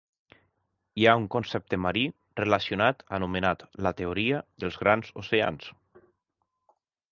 Hi ha un concepte marí relacionat anomenat la "teoria dels grans oceans".